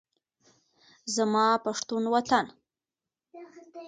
زما پښتون وطن